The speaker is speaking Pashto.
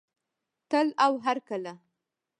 تل او هرکله.